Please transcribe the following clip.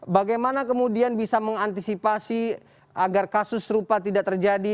bagaimana kemudian bisa mengantisipasi agar kasus serupa tidak terjadi